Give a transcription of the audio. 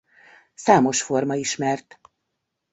Számos forma ismert.